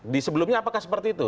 di sebelumnya apakah seperti itu